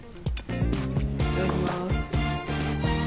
いただきます。